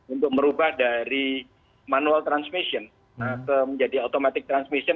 untuk merubah dari manual transmission menjadi automatic transmission